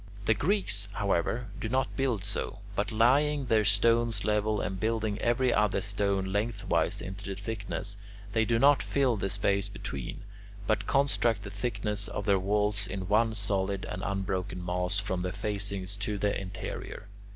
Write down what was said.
The Greeks, however, do not build so; but laying their stones level and building every other stone length wise into the thickness, they do not fill the space between, but construct the thickness of their walls in one solid and unbroken mass from the facings to the interior.